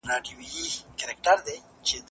تاسو باید د مسواک په کارولو کې سستي ونه کړئ.